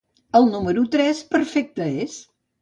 El número tres, perfecte és.